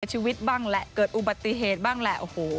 ชีวิตบ้างแหละเกิดอุบัติเหตุบ้างแหละโอ้โห